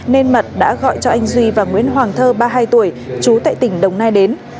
nên mật đã gọi cho anh duy và nguyễn hoàng thơ ba mươi hai tuổi chú tại tỉnh đồng nai đến